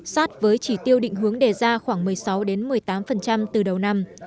sát với chỉ tiêu định hướng đề ra khoảng một mươi sáu một mươi tám từ đầu năm